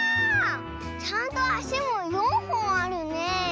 ちゃんとあしも４ほんあるね。